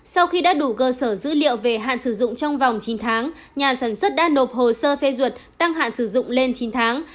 sau khi đã đủ cơ sở dữ liệu về hạn sử dụng trong vòng chín tháng nhà sản xuất đã nộp hồ sơ phê duyệt tăng hạn sử dụng lên chín tháng